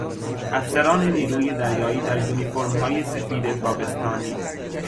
افسران نیروی دریایی در انیفورمهای سفید تابستانی